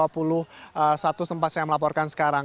pukul dua puluh satu tempat saya melaporkan sekarang